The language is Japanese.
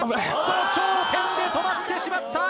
頂点で止まってしまった！